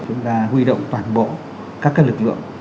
chúng ta huy động toàn bộ các lực lượng